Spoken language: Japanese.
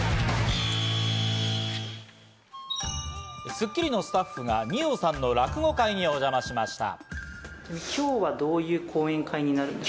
『スッキリ』のスタッフが二葉さんの落語会にお邪魔しました。